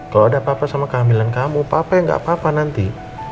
kalau ada apa apa sama kehamilan kamu papa ya nggak apa apa nanti